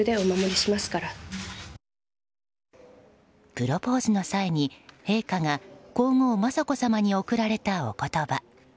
プロポーズの際に陛下が皇后・雅子さまに贈られたお言葉。